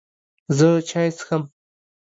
زه چای څښم